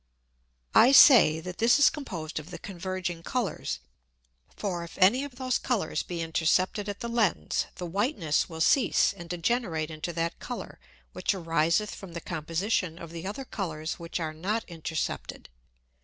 I say, that this is composed of the converging Colours. For if any of those Colours be intercepted at the Lens, the whiteness will cease and degenerate into that Colour which ariseth from the composition of the other Colours which are not intercepted.